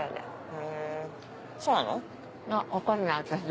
へぇそうなの？